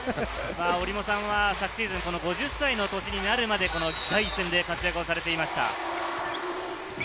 折茂さんは昨シーズン、５０歳の年になるまで、第一線で活躍をされていました。